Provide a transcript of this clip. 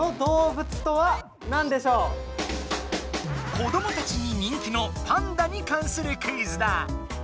子どもたちに人気のパンダにかんするクイズだ！